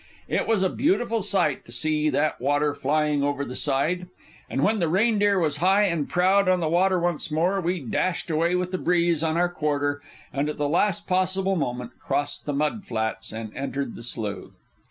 It was a beautiful sight to see that water flying over the side! And when the Reindeer was high and proud on the water once more, we dashed away with the breeze on our quarter, and at the last possible moment crossed the mud flats and entered the slough.